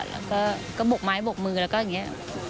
แล้วก็บกไม้บกมือแล้วก็อย่างนี้